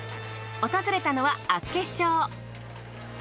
訪れたのは厚岸町。